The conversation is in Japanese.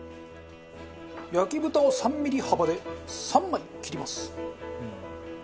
焼豚を３ミリ幅で３枚切ります。